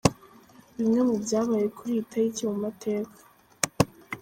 Bimwe mu byabaye kuri iyi tariki mu mateka.